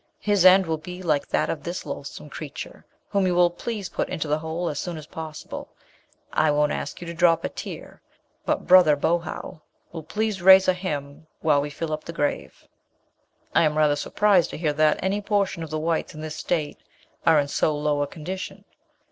His end will be like that of this loathsome creature, whom you will please put into the hole as soon as possible. I won't ask you to drop a tear, but brother Bohow will please raise a hymn while we fill up the grave.'" "I am rather surprised to hear that any portion of the whites in this state are in so low a condition."